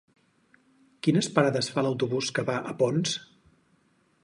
Quines parades fa l'autobús que va a Ponts?